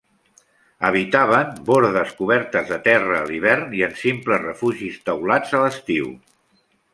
Habitaven bordes cobertes de terra a l'hivern i en simples refugis taulats a l'estiu.